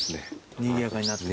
にぎやかになって。